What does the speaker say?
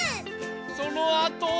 そのあとは。